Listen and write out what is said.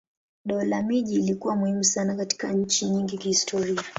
Dola miji ilikuwa muhimu sana katika nchi nyingi kihistoria.